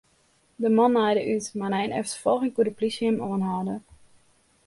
De man naaide út, mar nei in efterfolging koe de plysje him oanhâlde.